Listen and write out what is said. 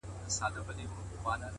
ځوان ژاړي سلگۍ وهي خبري کوي ـ